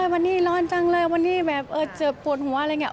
วันนี้ร้อนจังเลยวันนี้แบบเจ็บปวดหัวอะไรอย่างนี้